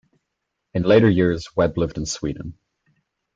In later years, Webb lived in Sweden.